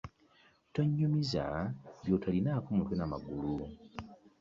Tonnyumiza by'otolinaako mutwe na magulu.